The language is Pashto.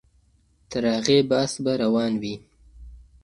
تر هغې بحث به روان وي.